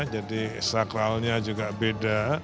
jadi sakralnya juga beda